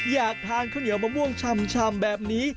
อยากทานข้าวเหนียวมะม่วงชำแบบนี้